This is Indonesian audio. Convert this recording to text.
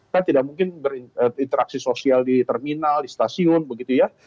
kan tidak mungkin berinteraksi sosial di terminal di stasiun begitu ya